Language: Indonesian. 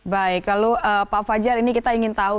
baik lalu pak fajar ini kita ingin tahu